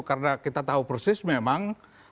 karena kita tahu persis memang